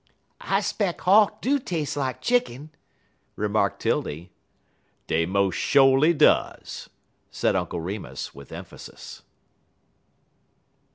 "I 'speck Hawk do tas'e like chicken," remarked 'Tildy. "Dey mos' sho'ly does," said Uncle Remus, with emphasis.